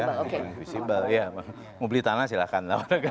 yang paling visible iya mau beli tanah silahkan